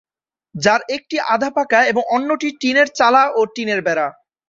যার একটি আধা-পাকা এবং অন্যটি টিনের চালা ও টিনের বেড়া।